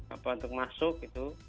atau untuk masuk gitu